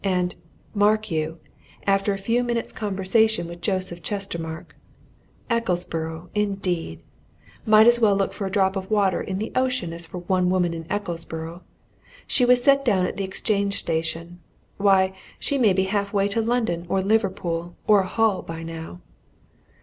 And mark you! after a few minutes' conversation with Joseph Chestermarke. Ecclesborough, indeed! Might as well look for a drop of water in the ocean as for one woman in Ecclesborough! She was set down at the Exchange Station why, she may be half way to London or Liverpool, or Hull, by now!"